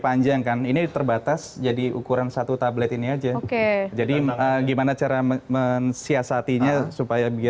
panjang kan ini terbatas jadi ukuran satu tablet ini aja jadi gimana cara mensiasatinya supaya